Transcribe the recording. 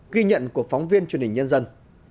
ghi nhận của phóng viên truyền hình nhân dân